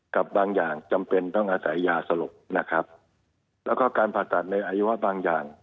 กับบางอย่างจำเป็นต้องอาศัยยาสลบนะครับแล้วก็การผ่าตัดในอวัยวะบางอย่าง